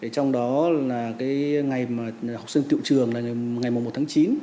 trong đó là ngày học sinh tiệu trường là ngày một tháng chín